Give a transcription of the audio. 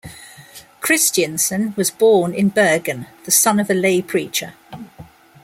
Kristiansen was born in Bergen, the son of a lay preacher.